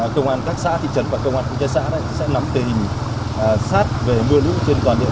công an các xã thị trấn và công an quốc gia xã sẽ nắm tình sát về mưa lũ trên toàn địa bàn